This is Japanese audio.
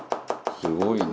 「すごいな」